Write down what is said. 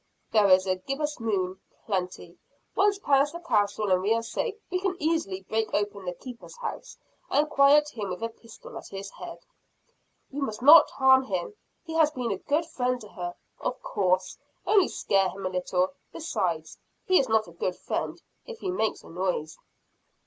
"There is a gibbous moon plenty. Once past the castle, and we are safe. We can easily break open the keeper's house and quiet him with a pistol at his head." "You must not harm him he has been a good friend to her." "Of course only scare him a little. Besides, he is not a good friend, if he makes a noise."